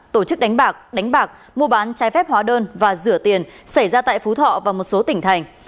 tổ chức đánh bạc đánh bạc mua bán trái phép hóa đơn và rửa tiền xảy ra tại phú thọ và một số tỉnh thành